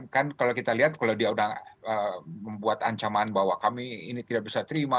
kan kalau kita lihat kalau dia sudah membuat ancaman bahwa kami ini tidak bisa terima